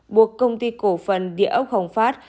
buộc công ty cổ phần địa ốc hồng phát